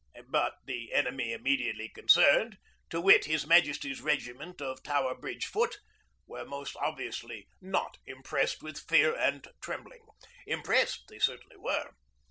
But the enemy immediately concerned, to wit His Majesty's Regiment of Tower Bridge Foot, were most obviously not impressed with fear and trembling. Impressed they certainly were.